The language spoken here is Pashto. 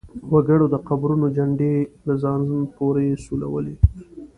وګړو د قبرونو چنډې له ځان پورې سولولې.